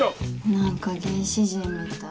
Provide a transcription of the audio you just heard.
何か原始人みたい。